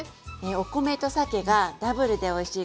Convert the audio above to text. お米とさけがダブルでおいしい